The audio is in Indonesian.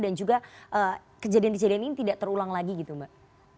dan juga kejadian kejadian ini tidak terulang lagi gitu mbak